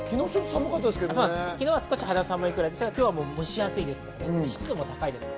昨日は少し肌寒いいくらいですが、今日は蒸し暑く湿度も高いです。